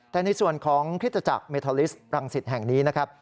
แต่ในส่วนของคริสตจักรเมทอลิสรังสิตแห่งนี้นะครับ